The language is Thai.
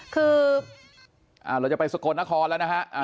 คือเราจะไปสกลนครแล้วนะฮะ